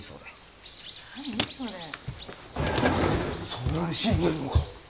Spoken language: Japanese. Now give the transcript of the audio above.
そんなに死んでるのか？